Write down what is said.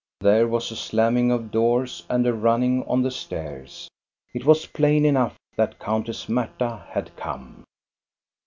There was a slamming of doors and a running on the stairs. It was plain enough that Countess Marta had come.